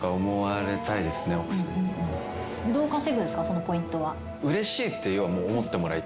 そのポイントは。